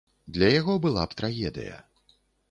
Для яго была б трагедыя.